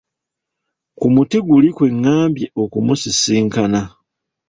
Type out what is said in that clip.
Ku muti guli kwe ŋŋambye okumusisinkana.